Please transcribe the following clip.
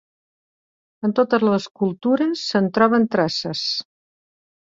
En totes les cultures se'n troben traces.